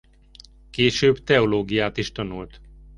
Később teológiát is tanult.